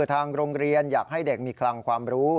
ทางโรงเรียนอยากให้เด็กมีคลังความรู้